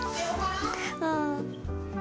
うん。